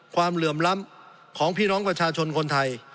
เหลื่อมล้ำของพี่น้องประชาชนคนไทย